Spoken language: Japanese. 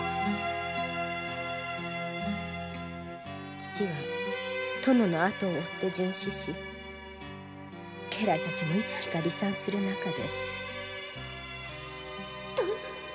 父は殿の後を追って殉死し家来たちもいつしか離散するなかで。